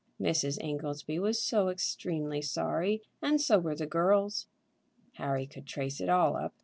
Mrs. Ingoldsby was so extremely sorry, and so were the "girls!" Harry could trace it all up.